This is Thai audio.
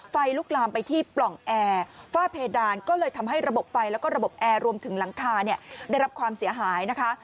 ไฟลุกลามไปที่ปล่องแอร์ฝ้าเพดานก็เลยทำให้ระบบไฟแล้วก็ระบบแอร์รวมถึงหลังคาเนี่ยได้รับความเสียหายนะคะ